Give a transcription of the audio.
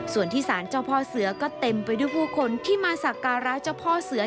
ส่วนที่สารเจ้าพ่อเสือก็เต็มไปด้วยผู้คนที่มาสักการะเจ้าพ่อเสือ